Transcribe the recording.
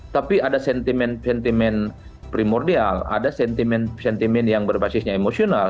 tapi ada sentimen sentimen primordial ada sentimen sentimen yang berbasisnya emosional